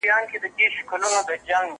قلمان د زده کوونکي له خوا کارول کيږي!؟